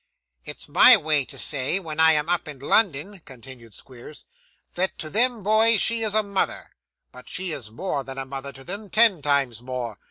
'It's my way to say, when I am up in London,' continued Squeers, 'that to them boys she is a mother. But she is more than a mother to them; ten times more.